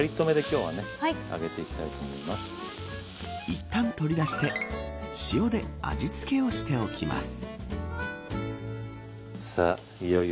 いったん取り出して塩で味付けをしておきます。